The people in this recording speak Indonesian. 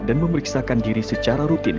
dan memeriksakan diri secara rutin